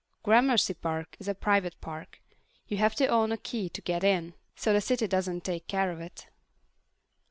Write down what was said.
Gramercy Park is a private park. You have to own a key to get in, so the city doesn't take care of it.